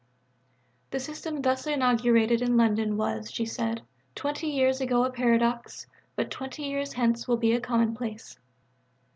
The system thus inaugurated in London was, she said, "twenty years ago a paradox, but twenty years hence will be a commonplace."